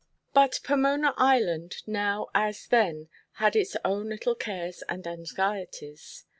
But Pomona Island, now and then, had its own little cares and anxieties.